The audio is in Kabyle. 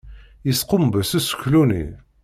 Yeskumbes useklu-nni.